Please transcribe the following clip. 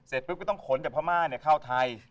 เสร็จปุ๊บก็ต้องขนกับพม่าเนี่ยเข้าไทย